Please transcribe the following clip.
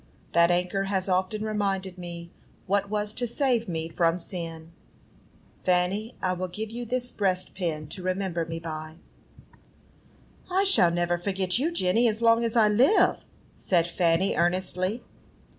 That anchor has often reminded me what was to save me from sin. Fanny, I will give you this breastpin to remember me by." "I shall never forget you, Jenny, as long as I live!" said Fanny, earnestly.